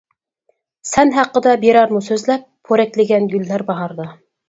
سەن ھەققىدە بېرەرمۇ سۆزلەپ، پورەكلىگەن گۈللەر باھاردا.